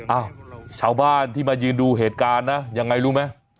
อ้าวชาวบ้านที่มายืนดูเหตุการณ์นะยังไงรู้ไหม